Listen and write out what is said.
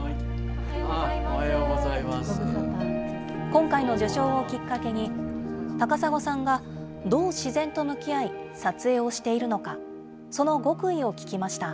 今回の受賞をきっかけに、高砂さんがどう自然と向き合い、撮影をしているのか、その極意を聞きました。